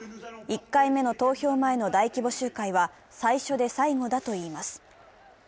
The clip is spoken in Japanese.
１回目の投票前の大規模集会は最初で最後だといいます。